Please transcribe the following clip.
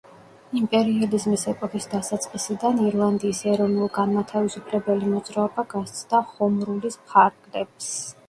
იმპერიალიზმის ეპოქის დასაწყისიდან ირლანდიის ეროვნულ-განმათავისუფლებელი მოძრაობა გასცდა ჰომრულის ფარგლებს.